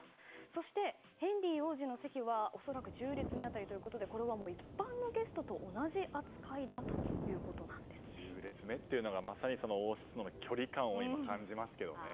そして、ヘンリー王子の席は恐らく１０列目辺りということでこれは一般のゲストと１０列目というのが王室との距離感を感じますけどね。